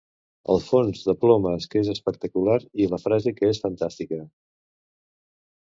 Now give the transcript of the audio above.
El fons de plomes que és espectacular i la frase que és fantàstica.